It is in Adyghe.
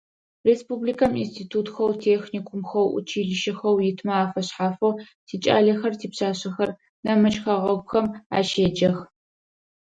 Республикэм институтхэу, техникумхэу, училищхэу итмэ афэшъхьафэу тикӏалэхэр, типшъашъэхэр нэмыкӏ хэгъэгухэм ащеджэх.